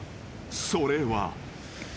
［それは］